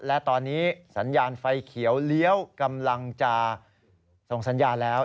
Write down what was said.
และตอนนี้สัญญาณไฟเขียวเลี้ยวกำลังจะส่งสัญญาแล้ว